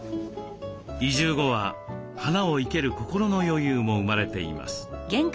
移住後は花を生ける心の余裕も生まれています。